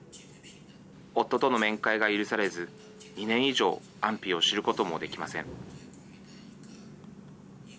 夫との面会が許されず２年以上安否を知ることもできません。